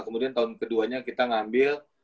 kemudian tahun keduanya kita ngambil